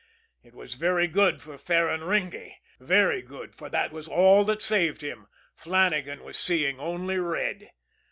It was very good for Ferraringi, very good, for that was all that saved him Flannagan was seeing only red.